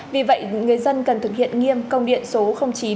vì vậy người dân cần thực hiện nghiêm công điện số chín